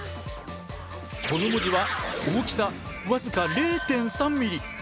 この文字は大きさ僅か０．３ミリ。